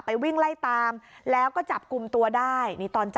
ไปวิ่งไล่ตามแล้วก็จับกลุ่มตัวได้